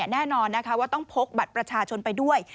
แน่นอนนะคะว่าต้องพกบัตรประชาชนไปด้วย